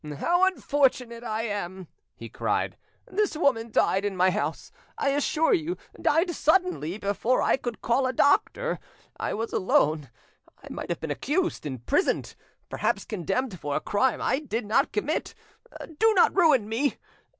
"How unfortunate I am!" he cried. "This woman died in my house, I assure you—died suddenly, before I could call a doctor. I was alone; I might have been accused, imprisoned, perhaps condemned for a crime I did not commit. Do not ruin me!